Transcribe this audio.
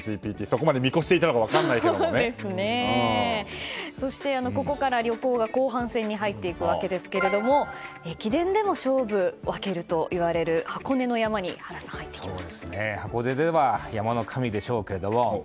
そこまで見越していたのかそして、ここから旅行が後半戦に入っていくわけですが駅伝でも勝負を分けるといわれる箱根の山に原さん、行ってきます。